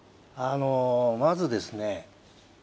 あのまずですね